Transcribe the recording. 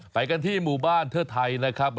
ไปกันที่หมู่บ้านเทิดไทยนะครับ